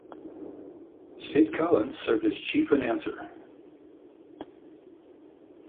Sid Collins served as chief announcer.